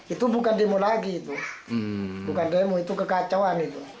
itu bukan demo lagi itu bukan demo itu kekacauan itu